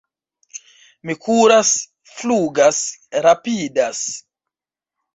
Mi kuras, flugas, rapidas!